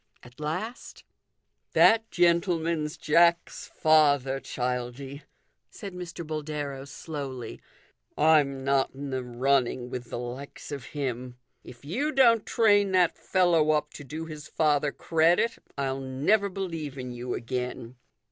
At last " That gentleman's Jack's father, Childie," said Mr. Boldero slowly. " I'm not in the running with the likes of him. If you don't train that fellow up to do his father credit, I'll never believe in you again."